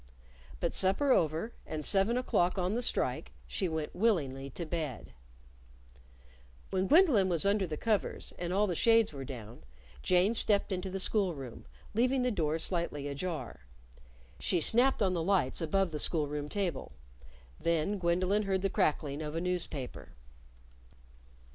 But supper over, and seven o'clock on the strike, she went willingly to bed. When Gwendolyn was under the covers, and all the shades were down, Jane stepped into the school room, leaving the door slightly ajar. She snapped on the lights above the school room table. Then Gwendolyn heard the crackling of a news paper.